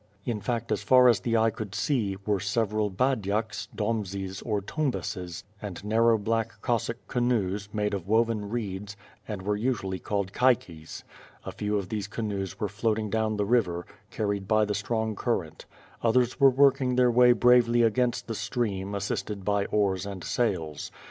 In fact as far as the eye could see, were several baydaks, dombzes, or tumbases,' and narrow black Cossack canoes, made of woven reeds, and were usually called caiques. A few of these canoes were floating down the river, carried by the strong current; others were working their way bravely against the stream, assisted by oars and sails.